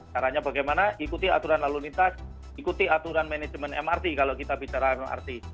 caranya bagaimana ikuti aturan lalu lintas ikuti aturan manajemen mrt kalau kita bicara mrt